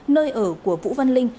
nơi ở của vũ văn linh